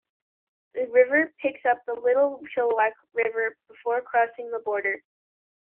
The river picks up the Little Chilliwack River before crossing the border.